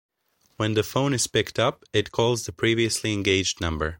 When the phone is picked up, it calls the previously engaged number.